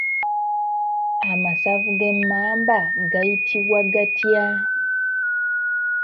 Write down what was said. Amasavu g'emmamba gayitibwa gatya?